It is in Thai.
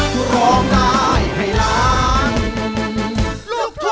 โปรดตรง